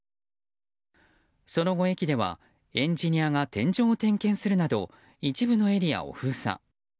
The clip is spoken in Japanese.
その後、駅ではエンジニアが天井を点検するなど一部のエリアを封鎖。